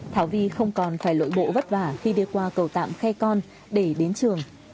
thảo vi không còn phải lội bộ vất vả khi đi qua cầu tạm khe con để đến trường